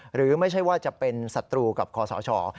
หรือไม่ใช่ว่าจะเป็นศัตรูกับคอสช